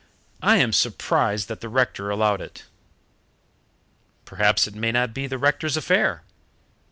"I am surprised that the rector allowed it." "Perhaps it may not be the rector's affair."